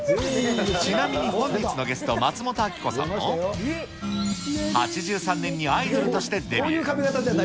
ちなみに本日のゲスト、松本明子さんも、８３年にアイドルとしてデビュー。